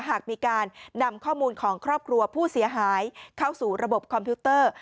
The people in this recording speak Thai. หากมีการนำข้อมูลของครอบครัวผู้เสียหายเข้าสู่ระบบคอมพิวเตอร์